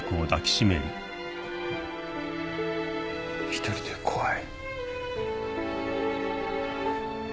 一人で怖い。